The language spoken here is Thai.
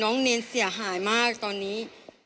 เนรเสียหายมากตอนนี้